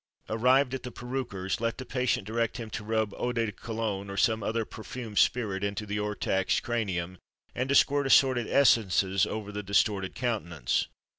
Arrived at the perruquier's, let the patient direct him to rub eau de Cologne, or some other perfumed spirit, into the o'er taxed cranium, and to squirt assorted essences over the distorted countenance.